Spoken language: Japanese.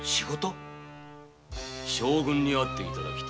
将軍に会って頂く。